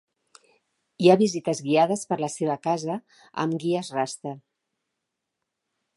Hi ha visites guiades per la seva casa amb guies rasta.